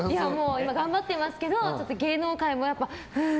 今、頑張ってますけど芸能界もふう